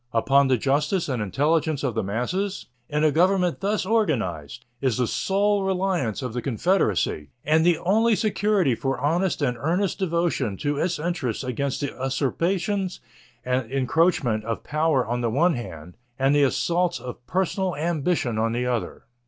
Upon the justice and intelligence of the masses, in a government thus organized, is the sole reliance of the confederacy and the only security for honest and earnest devotion to its interests against the usurpations and encroachment of power on the one hand and the assaults of personal ambition on the other.